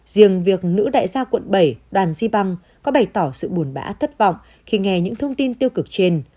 riêng việc nữ đại gia quận bảy đoàn di bang có bày tỏ sự buồn bã thất vọng khi nghe những thông tin tiêu cực trên